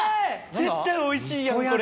絶対おいしいやんこれ。